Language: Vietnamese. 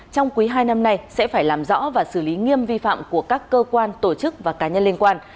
trong quý hai năm nay sẽ phải làm rõ và xử lý nghiêm vi phạm của các cơ quan tổ chức và cá nhân liên quan